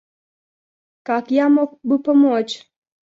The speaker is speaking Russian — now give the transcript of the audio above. Как я мог бы помочь?